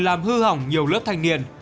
làm hư hỏng nhiều lớp thanh niên